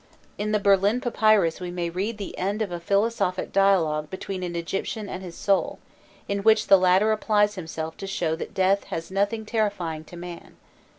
In the Berlin Papyrus we may read the end of a philosophic dialogue between an Egyptian and his soul, in which the latter applies himself to show that death has nothing terrifying to man.